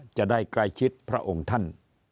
จะได้ใกล้ชิดพระองค์ท่าน